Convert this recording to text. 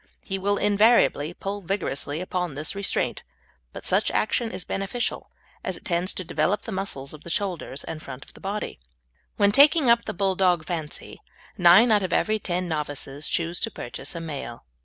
He will invariably pull vigorously against this restraint, but such action is beneficial, as it tends to develop the muscles of the shoulders and front of the body. When taking up the Bulldog fancy, nine out of every ten novices choose to purchase a male.